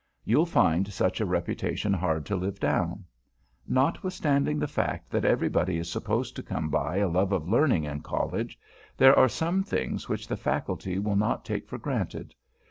You'll find such a reputation hard to live down. Notwithstanding the fact that everybody is supposed to come by a love of Learning in College, there are some things which the Faculty will not take for granted.